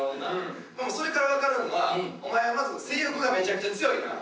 それからわかるんはお前はまず性欲がめちゃくちゃ強いな。